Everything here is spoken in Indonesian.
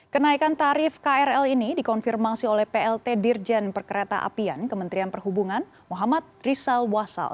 kenaikan tarif krl ini dikonfirmasi oleh plt dirjen perkereta apian kementerian perhubungan muhammad rizal wasal